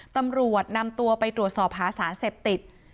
ตำรวจนำตัวไปตรวจสอบหาสารเสพติด